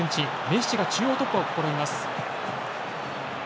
メッシが中央突破を試みます。